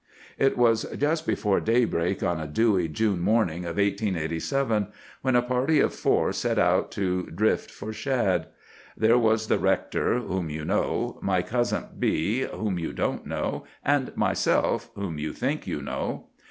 "It was just before daybreak on a dewy June morning of 1887, when a party of four set out to drift for shad. There was the rector (whom you know), my cousin B—— (whom you don't know), and myself (whom you think you know).